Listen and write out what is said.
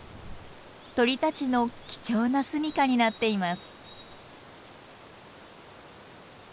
鳥たちの貴重なすみかになっています。